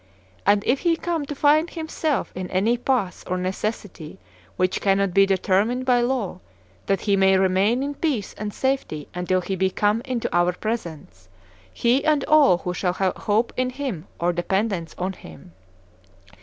And if he come to find himself in any pass or necessity which cannot be determined by law, that he may remain in peace and safety until he be come into our presence, he and all who shall have hope in him or dependence on him.